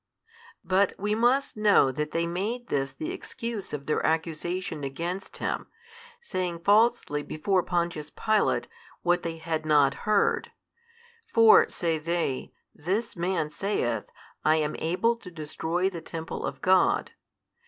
But we must know that they made this the excuse of their accusation against Him, saying falsely before Pontius Pilate, what they had not heard. For, say they, This Man saith, I am able to destroy the Temple of God.